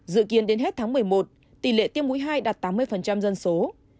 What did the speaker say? dự kiến đến hết tháng một mươi một tỷ lệ tiêm mũi hai đạt tám mươi dân số